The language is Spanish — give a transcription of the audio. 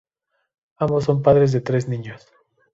Ambos son padres de tres niños.